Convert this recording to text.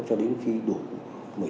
cho đến khi đủ một mươi tám tuổi